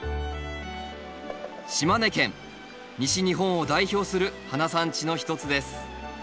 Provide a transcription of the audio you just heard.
西日本を代表する花産地の一つです。